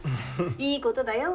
いいことだよ。